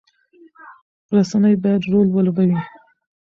رسنۍ باید رول ولوبوي.